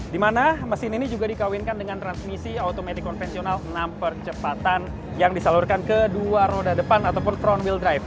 di mana mesin ini juga dikawinkan dengan transmisi automatic konvensional enam percepatan yang disalurkan ke dua roda depan ataupun frontwill drive